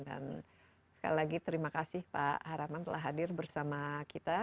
dan sekali lagi terima kasih pak haraman telah hadir bersama kita